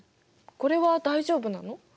これは大丈夫なの？